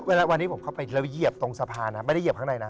เวลาวันที่ผมเข้าไปแล้วเหยียบตรงสะพานนะไม่ได้เหยียบข้างในนะ